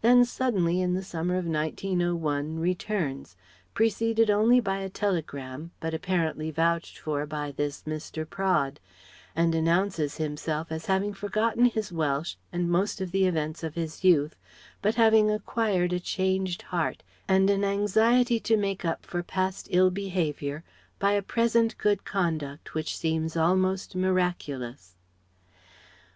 Then, suddenly in the summer of 1901, returns; preceded only by a telegram but apparently vouched for by this Mr. Praed; and announces himself as having forgotten his Welsh and most of the events of his youth, but having acquired a changed heart, and an anxiety to make up for past ill behaviour by a present good conduct which seems almost miraculous.